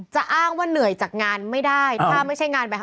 อ้างว่าเหนื่อยจากงานไม่ได้ถ้าไม่ใช่งานแบบ